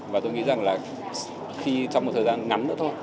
và tôi nghĩ rằng là khi trong một thời gian ngắn nữa thôi